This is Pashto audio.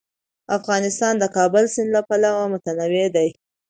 افغانستان د د کابل سیند له پلوه متنوع دی.